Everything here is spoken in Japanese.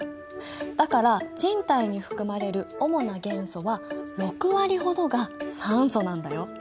だから人体に含まれる主な元素は６割ほどが酸素なんだよ。